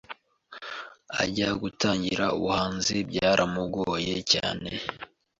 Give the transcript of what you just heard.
Ajya gutangira ubuhanzi byaramugoye cyane